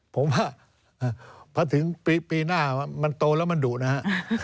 ผมว่าพอถึงปีหน้ามันโตแล้วมันดุนะฮะ